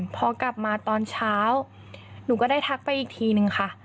พอกลับมาตอนเช้าหนูก็ได้ทักไปอีกทีนึงค่ะ